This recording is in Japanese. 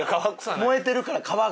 燃えてるから革が。